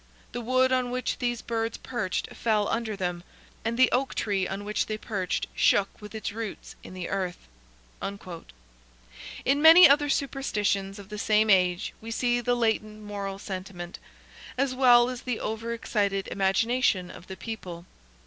The wood on which these birds perched fell under them; and the oak tree on which they perched shook with its roots in the earth." In many other superstitions of the same age we see the latent moral sentiment, as well as the over excited imagination of the people.